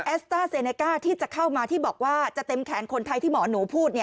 สต้าเซเนก้าที่จะเข้ามาที่บอกว่าจะเต็มแขนคนไทยที่หมอหนูพูด